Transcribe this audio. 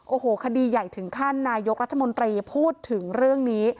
โอ้โหคดีใหญ่ถึงขั้นนายกรัฐมนตรีพูดถึงเรื่องนี้